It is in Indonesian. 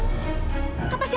kata siapa gak ada siapa